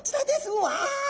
うわ！